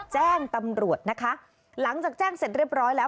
แจ้งตำรวจนะคะหลังจากแจ้งเสร็จเรียบร้อยแล้ว